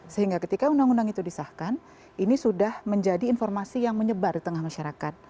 sehingga ketika undang undang itu disahkan ini sudah menjadi informasi yang menyebar di tengah masyarakat